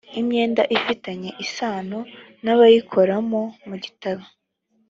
imyenda ifitanye isano n abayikoramo mu bitabo